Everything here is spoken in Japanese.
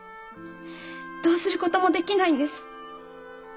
どうする事もできないんです。